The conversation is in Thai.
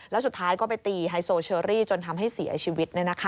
แล้วสุดท้ายก็ไปตีไฮโซเชอรี่จนทำให้เสียชีวิต